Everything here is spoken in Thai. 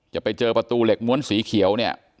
จะไปเจอประตูเหล็กม้วนสีเขียวเนี่ย